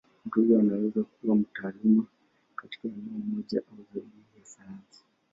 Mtu huyo anaweza kuwa mtaalamu katika eneo moja au zaidi ya sayansi.